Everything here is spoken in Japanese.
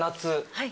はい。